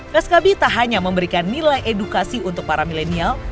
feskabi tak hanya memberikan nilai edukasi untuk para milenial